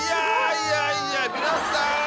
いやいや皆さん！